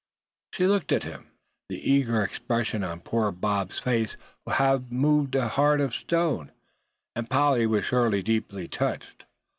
She looked at him. The eager expression on poor Bob's face would have moved a heart of stone; and Polly was surely deeply touched.